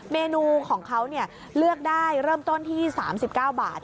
เมนูของเขาเนี้ยเลือกได้เริ่มต้นที่สามสิบเก้าบาท